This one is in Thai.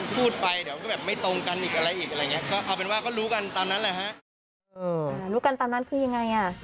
พูดไปเดี๋ยวก็แบบไม่ตรงกันอีกอะไรอีกอะไรอย่างเงี้ย